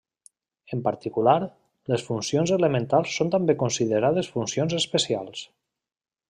En particular, les funcions elementals són també considerades funcions especials.